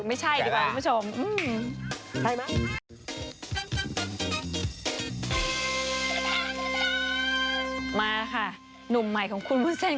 มาล่ะค่ะหนุ่มใหม่ของคุณวุ้นเซน